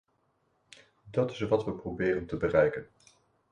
Dat is wat we proberen te bereiken.